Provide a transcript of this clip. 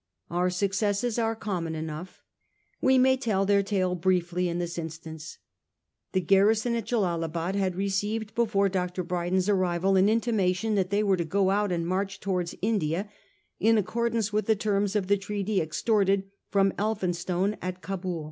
Our successes are common enough; we may tell their tale briefly in this instance. The garrison at Jellalabad had received before Dr. Brydon's arrival an intimation that they were to go out and march towards India in accord ance with the terms of the treaty extorted from Elphinstone at Cabul.